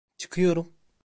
Çıkıyorum.